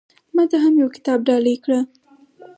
ما ته هم يو کتاب ډالۍ کړه